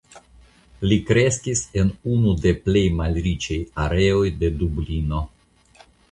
Li kreskis en unu de plej malriĉaj areoj de Dublino.